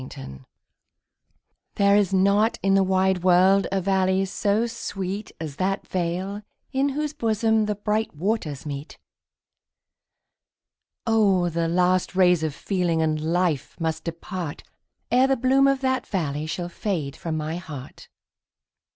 There is not in the wide world a valley so sweet As that vale in whose bosom the bright waters meet; Oh! the last rays of feeling and life must depart, Ere the bloom of that valley shall fade from my heart.